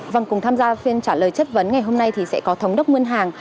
vâng cùng tham gia phiên trả lời chất vấn ngày hôm nay thì sẽ có thống đốc ngân hàng